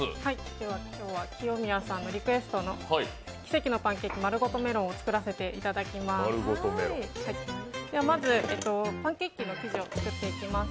今日は清宮さんのリクエストの奇跡のパンケーキマルゴトメロンを作らせていただきます。